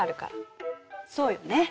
そうよね。